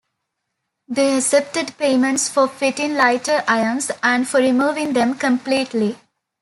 They accepted payments for fitting lighter irons and for removing them completely.